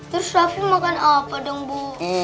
terus raffi makan apa dong bu